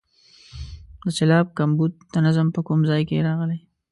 د سېلاب کمبود د نظم په کوم ځای کې راغلی.